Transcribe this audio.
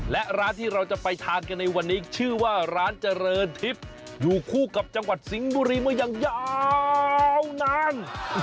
และร้านที่เราจะไปทานกันในวันนี้ชื่อว่าร้านเจริญทิพย์อยู่คู่กับจังหวัดสิงห์บุรีมาอย่างยาวนาน